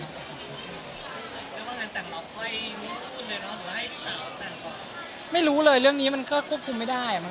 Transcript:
ถ้าเขาได้ดอกไม้ในวันงานระยะเรายังไงภาพกัน